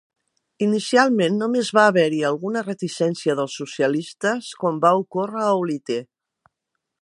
Inicialment només va haver-hi alguna reticència dels socialistes, com va ocórrer a Olite.